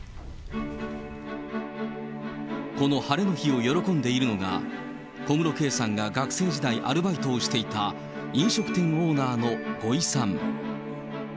この晴れの日を喜んでいるのが、小室圭さんが学生時代、アルバイトをしていた飲食店オーナーの五井さん。